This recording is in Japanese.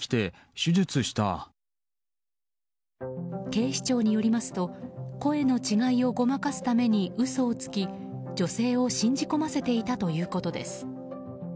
警視庁によりますと声の違いをごまかすために嘘をつき、女性を信じ込ませせていたということです。